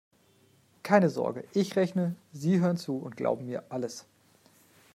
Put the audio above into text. Keine Sorge: Ich rechne, Sie hören zu und glauben mir alles.